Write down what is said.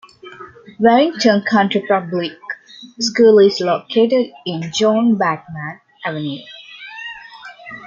Werrington County Public School is located in John Batman Avenue.